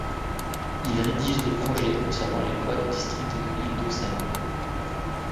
Il rédige des projets concernant les lois du district de l'île d'Ösel.